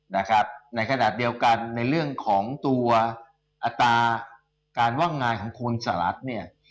นะครับในขณะเดียวกันในเรื่องของตัวอัตราการว่างงานของคุณสหรัฐเนี่ย